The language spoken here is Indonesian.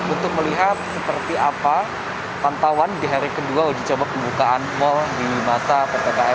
untuk melihat seperti apa pantauan di hari kedua uji coba pembukaan mal di masa ppkm tahun dua ribu empat